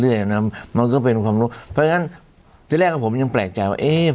อย่างนั้นมันก็เป็นความรู้เพราะฉะนั้นที่แรกผมยังแปลกใจว่าเอ๊ะ